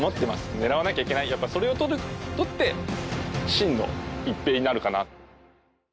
狙わなきゃいけないそれを取って真の一平になるかなと。